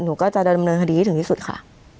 หนูก็จะดำเนินคดีถึงสุดค่ะ